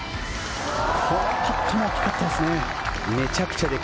このパットが大きかったですね。